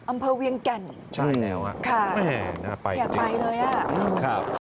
อำเภอเวียงแก่นใช่แล้วค่ะแค่ไปเลยอ่ะครับ